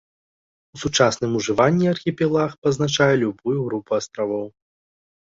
У сучасным ужыванні архіпелаг пазначае любую групу астравоў.